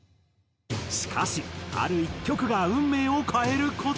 しかしある１曲が運命を変える事に。